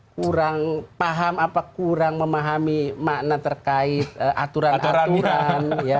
kurang paham apa kurang memahami makna terkait aturan aturan